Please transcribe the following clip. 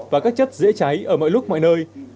và các chất dễ cháy ở mọi lúc mọi nơi